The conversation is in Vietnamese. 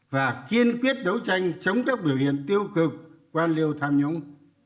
và kiên quyết đấu tranh chống các biểu hiện tiêu cực quan liêu tham nhũng